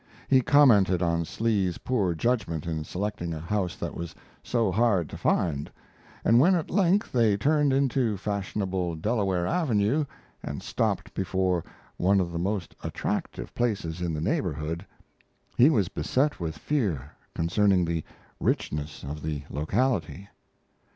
He commented on Slee's poor judgment in selecting a house that was so hard to find, and when at length they turned into fashionable Delaware Avenue, and stopped before one of the most attractive places in the neighborhood, he was beset with fear concerning the richness of the locality.